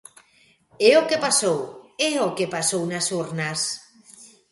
É o que pasou, é o que pasou nas urnas.